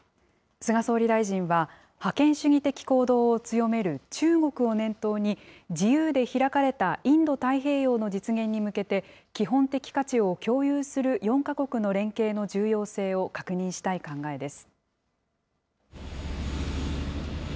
菅総理大臣は、覇権主義的行動を強める中国を念頭に、自由で開かれたインド太平洋の実現に向けて、基本的価値を共有する４か国の連携の重要性を確認したい考えです。